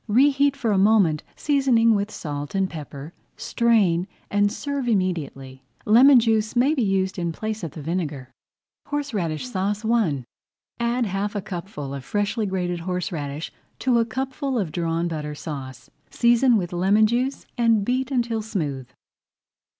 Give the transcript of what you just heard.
Reheat for a moment, seasoning with salt and pepper, strain, and serve immediately. Lemon juice may be used in place of the vinegar. HORSERADISH SAUCE I Add half a cupful of freshly grated horseradish to a cupful of Drawn Butter Sauce. Season with lemon juice and beat until smooth.